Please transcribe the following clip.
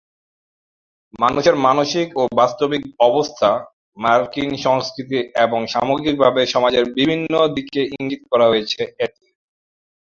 মানুষের মানসিক ও বাস্তবিক অবস্থা, মার্কিন সংস্কৃতি এবং সামগ্রিকভাবে সমাজের বিভিন্ন দিকে ইঙ্গিত করা হয়েছে এতে।